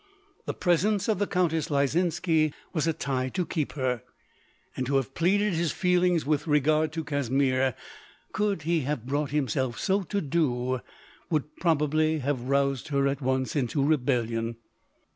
The presence of the Countess Lyzinski was a tie to keep her; and to have pleaded his feelings with regard to Casimir, could he have brought himself so to do, would probably have roused her at once into rebellion.